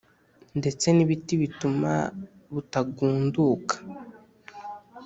ndetse n’ibiti bituma butagunduka.